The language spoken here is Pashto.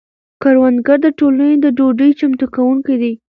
کروندګر د ټولنې د ډوډۍ چمتو کونکي دي.